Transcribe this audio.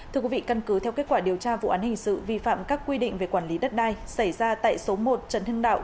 thưa quý vị căn cứ theo kết quả điều tra vụ án hình sự vi phạm các quy định về quản lý đất đai xảy ra tại số một trần hưng đạo